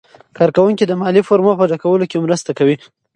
کارکوونکي د مالي فورمو په ډکولو کې مرسته کوي.